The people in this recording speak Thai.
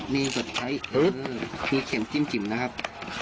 มีสดใครที่เข็มจิ้มนะครับ